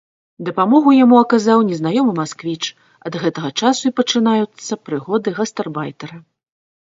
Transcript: Дапамогу яму аказаў незнаёмы масквіч, ад гэтага часу і пачынаюцца прыгоды гастарбайтэра.